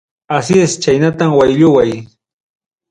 Asíes chaynata waylluway.